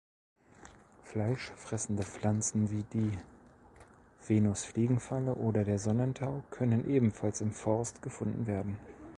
Fleischfressende Pflanzen wie die Venusfliegenfalle oder der Sonnentau können ebenfalls im Forst gefunden werden.